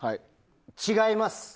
違います。